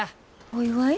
お祝い？